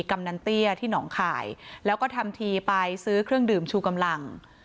กำนันเตี้ยที่หนองข่ายแล้วก็ทำทีไปซื้อเครื่องดื่มชูกำลัง